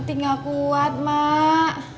nanti nggak kuat mak